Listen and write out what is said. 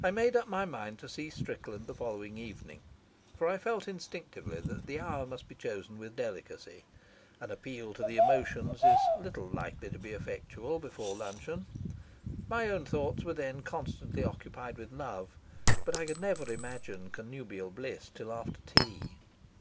I made up my mind to see Strickland the following evening, for I felt instinctively that the hour must be chosen with delicacy. An appeal to the emotions is little likely to be effectual before luncheon. My own thoughts were then constantly occupied with love, but I never could imagine connubial bliss till after tea.